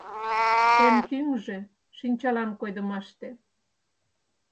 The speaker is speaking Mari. Эн тӱҥжӧ — шинчалан койдымаште…